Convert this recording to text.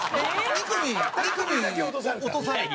２組だけ落とされて？